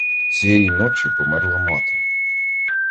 Цієї ночі померла мати.